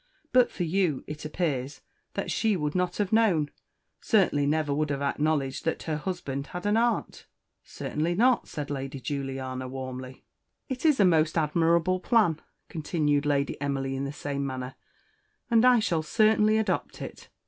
"But for you, it appears that she would not have known certainly never would have acknowledged that her husband had an aunt?" "Certainly not," said Lady Juliana, warmly. "It is a most admirable plan," continued Lady Emily in the same manner, "and I shall certainly adopt it.